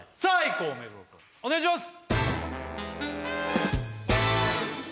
こう目黒くんお願いします